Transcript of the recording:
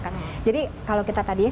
tidak ngerti nggak mengejutkan